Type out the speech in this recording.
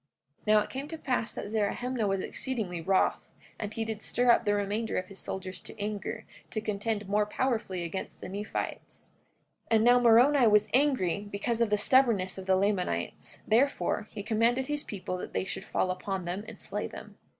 44:16 Now it came to pass that Zerahemnah was exceedingly wroth, and he did stir up the remainder of his soldiers to anger, to contend more powerfully against the Nephites. 44:17 And now Moroni was angry, because of the stubbornness of the Lamanites; therefore he commanded his people that they should fall upon them and slay them.